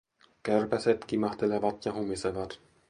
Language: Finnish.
Kärpäset kimahtelevat ja humisevat.